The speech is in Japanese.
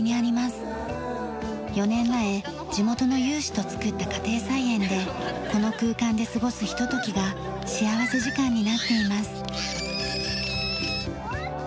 ４年前地元の有志と作った家庭菜園でこの空間で過ごすひとときが幸福時間になっています。